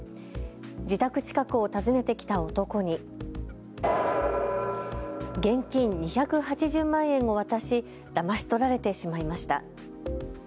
自宅近くを訪ねてきた男に現金２８０万円を渡しだまし取られてしまいました。